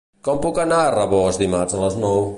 Com puc anar a Rabós dimarts a les nou?